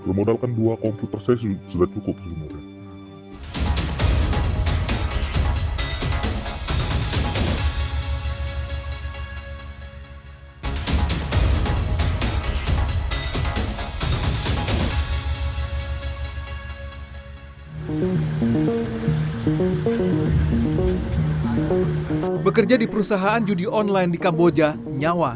bermodal kan dua komputer saya sudah cukup sebenarnya